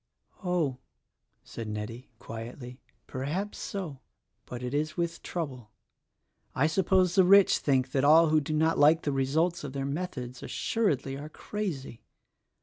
"Oh," said Nettie, quietly, "perhaps so; but it is with trouble. I suppose the rich think that all who do not like the results of their methods, assuredly are crazy.